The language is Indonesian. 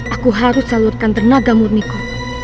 aku harus salurkan tenaga murniku